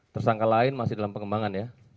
tersangka lain masih dalam pengembangan ya